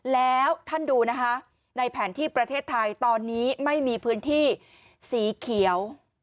แล้วท่านดูนะคะในแผนที่ประเทศไทยตอนนี้ไม่มีพื้นที่สีเขียว